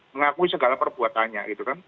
mengakui segala perbuatannya